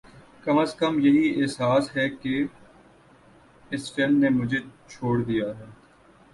کم از کم یہی احساس ہے کہ اس فلم نے مجھے چھوڑ دیا ہے